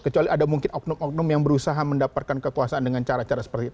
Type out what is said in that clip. kecuali ada mungkin oknum oknum yang berusaha mendapatkan kekuasaan dengan cara cara seperti itu